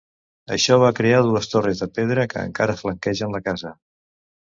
Això va crear dues torres de pedra que encara flanquegen la casa.